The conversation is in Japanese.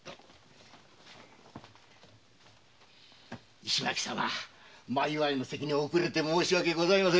石巻様前祝いの席に遅れて申し訳ございません。